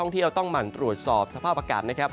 เที่ยวต้องหมั่นตรวจสอบสภาพอากาศนะครับ